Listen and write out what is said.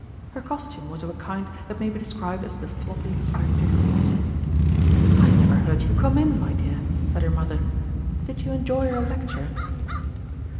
Her costume was of a kind that may be described as the floppily artistic. "I never heard you come in, my dear," said her mother. "Did you enjoy your lecture?"